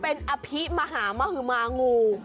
เป็นอภิมหามหมางู